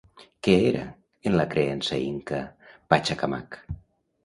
Què era, en la creença inca, Pachacamac?